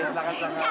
susah ngomong bener